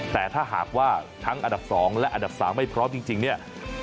แต่ถ้าหากว่าทั้งอันดับ๒และอันดับ๓ไม่พร้อมจริงเนี่ย